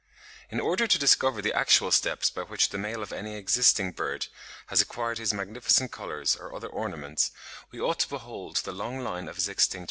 In order to discover the actual steps by which the male of any existing bird has acquired his magnificent colours or other ornaments, we ought to behold the long line of his extinct progenitors; but this is obviously impossible.